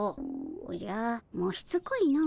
おじゃもうしつこいのう。